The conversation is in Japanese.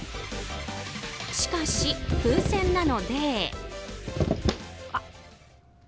しかし、風船なので。